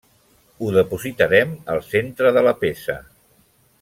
Ho depositarem al centre de la peça.